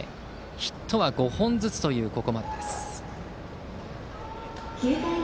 ヒットは５本ずつというここまでです。